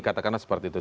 katakanlah seperti itu